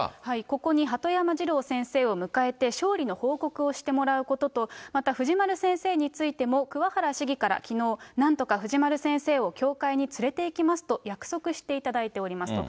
ここに鳩山二郎先生を迎えて、勝利の報告をしてもらうことと、また藤丸先生についても桑原市議からきのう、なんとか藤丸先生を教会に連れていきますと約束していただいておりますと。